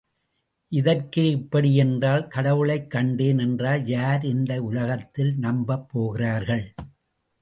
இதற்கே இப்படி என்றால் கடவுளைக் கண்டேன் என்றால் யார் இந்த உலகத்தில் நம்பப் போகிறார்கள்.